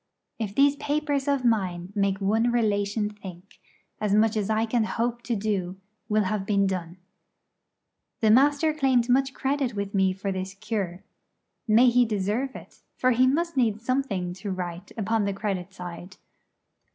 If these papers of mine make one relation think, as much as I can hope to do will have been done. The Master claimed much credit with me for this cure. May he deserve it! for he must need something to write upon the credit side.